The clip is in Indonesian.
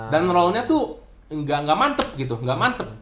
dan role nya tuh ga mantep gitu ga mantep